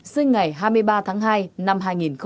sinh ngày hai mươi ba tháng hai năm hai nghìn sáu